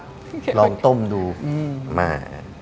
ครับลองต้มดูมา